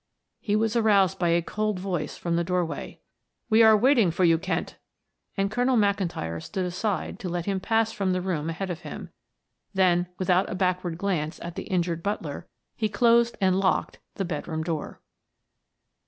He was aroused by a cold voice from the doorway. "We are waiting for you, Kent," and Colonel McIntyre stood aside to let him pass from the room ahead of him, then without a backward glance at the injured butler, he closed and locked the bedroom door.